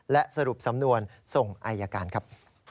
และสรุปสำนวนส่งอายการครับ